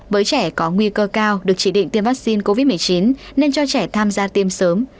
với trẻ có nguy cơ cao được chỉ định tiêm vaccine covid một mươi chín nên cho trẻ tham gia tiêm sớm